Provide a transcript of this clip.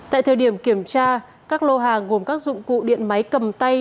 tại thời điểm kiểm tra các lô hàng gồm các dụng cụ điện máy cầm tay